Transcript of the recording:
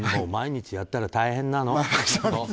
毎日やったら大変なの！